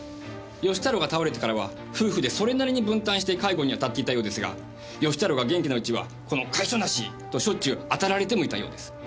義太郎が倒れてからは夫婦でそれなりに分担して介護に当たっていたようですが義太郎が元気なうちは「この甲斐性なし！」としょっちゅう当たられてもいたようです。